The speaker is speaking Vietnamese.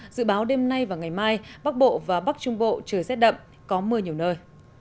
dự báo đêm nay và ngày mai bắc bộ và bắc trung bộ trời rét đậm có mưa nhiều nơi